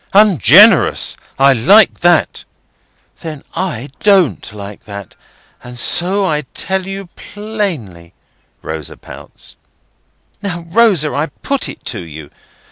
"Ungenerous! I like that!" "Then I don't like that, and so I tell you plainly," Rosa pouts. "Now, Rosa, I put it to you.